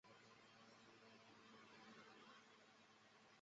粘蓼为蓼科蓼属下的一个种。